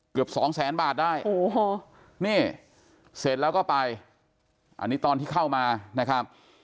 เกือบ๒๐๐๐๐๐บาทได้เสร็จแล้วก็ไปอันนี้ตอนที่เข้ามานะครับ